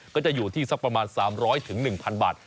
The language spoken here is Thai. ก็จะอยู่ที่สักประมาณ๓๐๐๑๐๐บาท